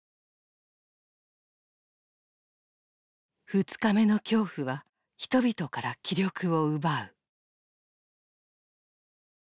二日目の恐怖は人々から気力を奪う。